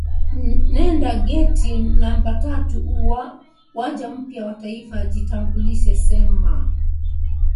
Nenda geti namba tatu uwanja mpya wa Taifa jitambulishe sema umetumwa na mimi